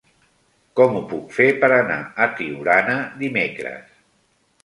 Com ho puc fer per anar a Tiurana dimecres?